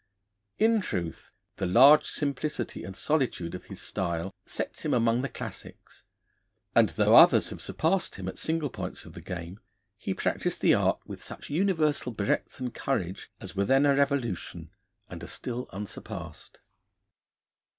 In truth, the large simplicity and solitude of his style sets him among the Classics, and though others have surpassed him at single points of the game, he practised the art with such universal breadth and courage as were then a revolution, and are still unsurpassed.